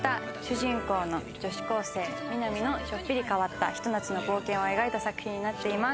私が演じた主人公の女子高生・美波のちょっぴり変わったひと夏の冒険を描いた作品になっています。